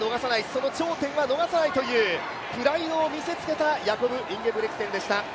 その頂点は逃さないというプライドを見せつけたヤコブ・インゲブリクセンでした。